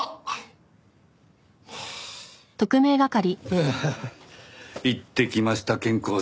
はあ行ってきました健康診断。